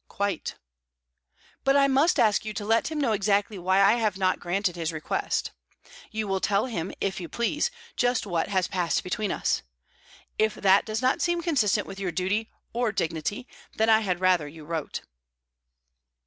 "Quite." "But I must ask you to let him know exactly why I have not granted his request. You will tell him, if you please, just what has passed between us. If that does not seem consistent with your duty, or dignity, then I had rather you wrote."